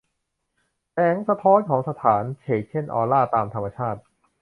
แสงสะท้อนของสถาน เฉกเช่นออร่าตามธรรมชาติ